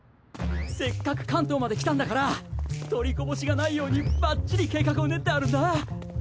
せっかくカントーまで来たんだから取りこぼしがないようにバッチリ計画を練ってあるんだ。